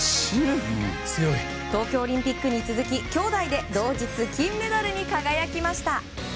東京オリンピックに続き兄妹で同日金メダルに輝きました。